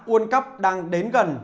uol cup đang đến gần